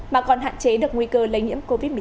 mà còn hạn chế được nguy cơ lây nhiễm covid một mươi chín